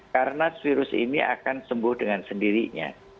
karena virus ini akan sembuh dengan sendirinya